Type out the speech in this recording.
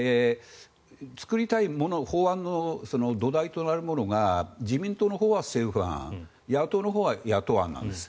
作りたいもの法案の土台となるものが自民党のほうは政府案野党のほうは野党案なんです。